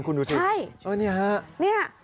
คุณดูสิใช่